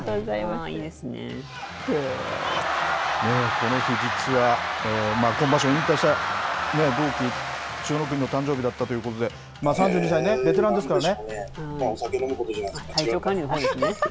この日、実は今場所、引退した同期、千代の国の誕生日だったということで、３２歳ね、ベテランですからね。